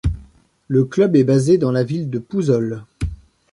Le club est basé dans la ville de Pouzzoles.